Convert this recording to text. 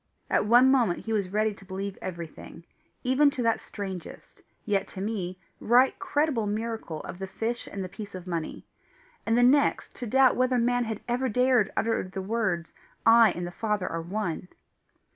At one moment he was ready to believe everything, even to that strangest, yet to me right credible miracle of the fish and the piece of money, and the next to doubt whether man had ever dared utter the words, "I and the Father are one."